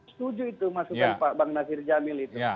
setuju itu masukan pak bang nasir jamil itu